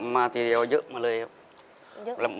มาทีเดียวเยอะมาเลยครับ